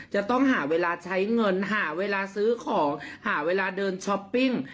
จะต้องหาเวลาใช้เงินหาเวลาซื้อของหาเวลาเดินช้อปปิ้ง